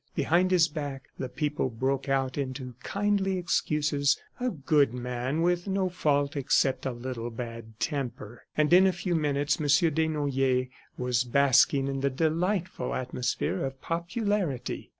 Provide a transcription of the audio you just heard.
Behind his back the people broke out into kindly excuses "A good man, with no fault except a little bad temper. ..." And in a few minutes Monsieur Desnoyers was basking in the delightful atmosphere of popularity.